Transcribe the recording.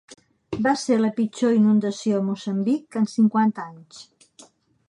Va ser la pitjor inundació a Moçambic en cinquanta anys.